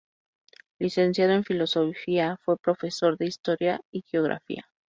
Licenciado en Filosofía, fue profesor de Historia y Geografía.